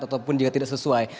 ataupun jika tidak sesuai